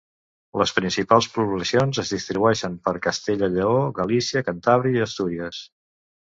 Les principals poblacions es distribueixen per Castella i Lleó, Galícia, Cantàbria i Astúries.